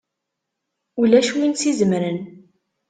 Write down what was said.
Ulac win i s-izemren!